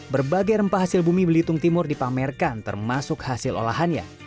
berbagai rempah hasil bumi belitung timur dipamerkan termasuk hasil olahannya